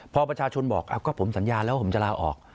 พอประชาชนบอกก็ผมสัญญาแล้วผมจะลาออก